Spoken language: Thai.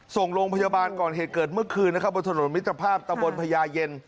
ส่งลงพยาบาลก่อนเกิดเมื่อคืนนะครับบนถนนมิจสภาพตะวนพระยาเย็น